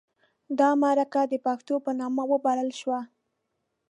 د مرکه د پښتو په نامه وبلله شوه.